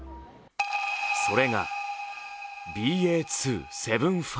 それが、ＢＡ．２．７５。